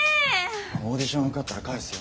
オーディション受かったら返すよ。